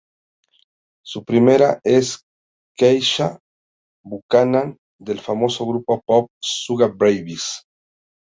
Su prima es Keisha Buchanan, del famoso grupo pop Sugababes.